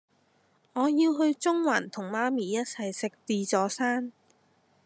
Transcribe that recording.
我要去中環同媽咪一齊食自助餐